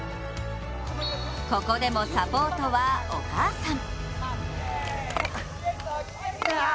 ここでもサポートはお母さん。